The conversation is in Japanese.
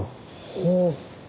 ほう。